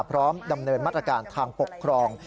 พร้อมดำเนินมาตรการทางปกครอง